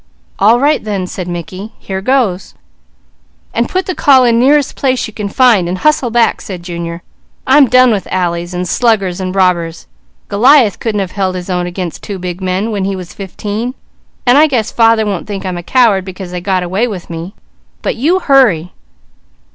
"All right then," said Mickey. "Here goes!" "And put the call in nearest place you can find and hustle back," said Junior. "I'm done with alleys, and sluggers, and robbers. Goliath couldn't have held his own against two big men, when he was fifteen, and I guess father won't think I'm a coward because they got away with me. But you hurry!"